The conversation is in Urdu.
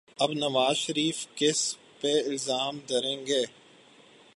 اب نواز شریف کس پہ الزام دھریں گے؟